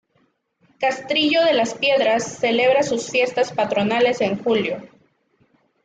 Castrillo de las Piedras celebra sus fiestas patronales en julio.